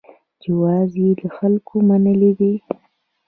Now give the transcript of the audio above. جواز یې د خلکو منل دي.